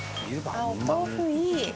お豆腐いい！